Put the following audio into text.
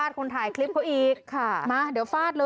รถกลัวมา